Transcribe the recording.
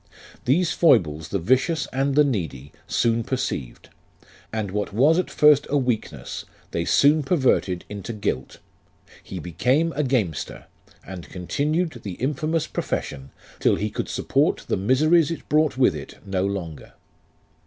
These foibles the vicious and the needy soon perceived, and what was at first a weakness they soon perverted into guilt ; he became a gamester, and continued the infamous profession till he could support the miseries it brought with it no longer.